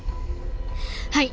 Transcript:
はい！